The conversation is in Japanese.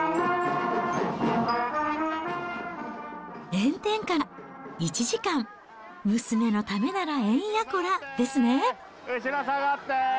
炎天下１時間、娘のためならえんやこらですね。